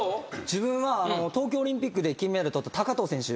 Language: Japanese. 自分は東京オリンピックで金メダル取った。